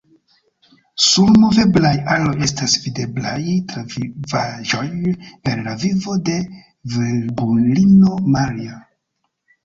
Sur moveblaj aloj estas videblaj travivaĵoj el la vivo de Virgulino Maria.